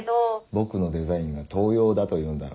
僕のデザインが盗用だというんだろ？